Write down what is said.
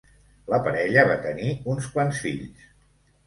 La parella va tenir uns quants fills.